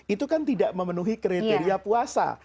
itu kan tidak memenuhi kriteria puasa